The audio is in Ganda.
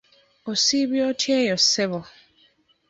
Osiibye otya eyo ssebo?